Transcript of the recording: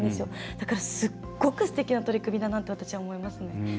だから、すごくすてきな取り組みだなと私は思いますね。